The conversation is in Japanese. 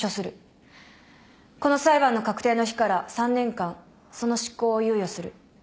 この裁判の確定の日から３年間その執行を猶予する。